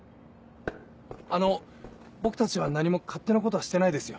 あの僕たちは何も勝手なことはしてないですよ。